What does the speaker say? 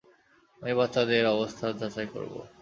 আমি বাচ্চাদের অবস্থার যাচাই করবো।